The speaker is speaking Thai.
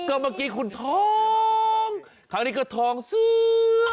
ก็เมื่อกี้คุณท้องคราวนี้ก็ท้องเสื้อ